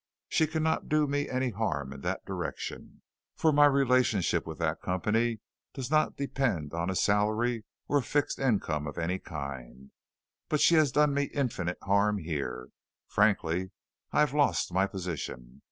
She cannot do me any harm in that direction, for my relationship with that company does not depend on a salary, or a fixed income of any kind, but she has done me infinite harm here. Frankly, I have lost my position.